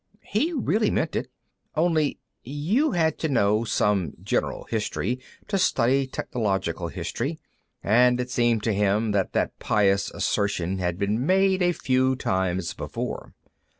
He really meant it. Only You had to know some general history to study technological history, and it seemed to him that that pious assertion had been made a few times before.